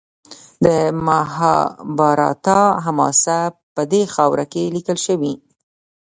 د مهابهاراتا حماسه په دې خاوره کې لیکل شوې.